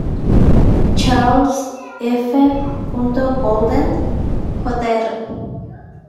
Charles F. Bolden, Jr.